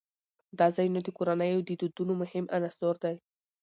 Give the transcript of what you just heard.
دا ځایونه د کورنیو د دودونو مهم عنصر دی.